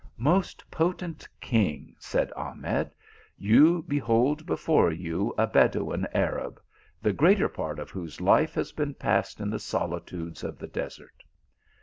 "Most potent king," said Ahmed, "you behold before you a Bedouin Arab, the greater part of whose life has been passed in the solitudes of the desert.